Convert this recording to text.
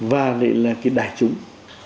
và lại là cái đài trúng